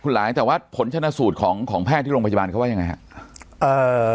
หลายแต่ว่าผลชนะสูตรของของแพทย์ที่โรงพยาบาลเขาว่ายังไงครับเอ่อ